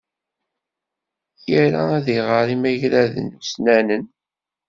Ira ad iɣer imagraden ussnanen.